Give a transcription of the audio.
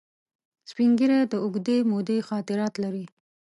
سپین ږیری د اوږدې مودې خاطرات لري